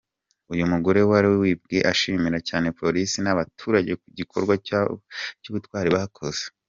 Uyu mugore wari wibwe ashimira cyane polisi n’abaturage ku gikorwa cy’ubutwari bakoze.